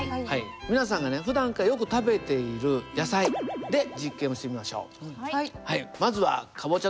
皆さんがねふだんからよく食べている野菜で実験をしてみましょう。